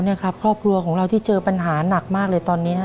นี่ครับครอบครัวของเราที่เจอปัญหาหนักมากเลยตอนนี้